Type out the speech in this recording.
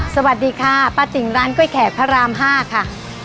สวัสดีค่ะป้าจิ๋งร้านกล้วยแขกพระราม๕ค่ะ